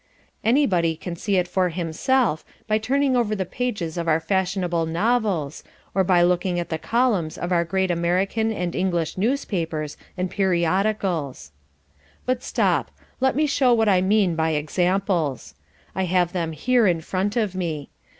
Anybody can see it for himself by turning over the pages of our fashionable novels or by looking at the columns of our great American and English newspapers and periodicals. But stop, let me show what I mean by examples. I have them here in front of me.